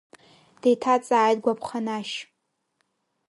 Деиҭаҵааит Гәаԥханашь.